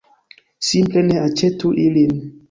Simple ne aĉetu ilin!